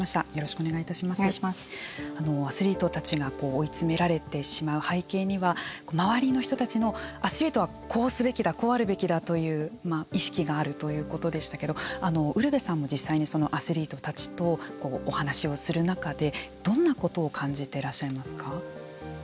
アスリートたちが追い詰められてしまう背景には周りの人たちのアスリートはこうすべきだこうあるべきだという意識があるということでしたけどウルヴェさんも実際にそのアスリートたちとお話しをする中でどんなことを感じていらっしゃいますか。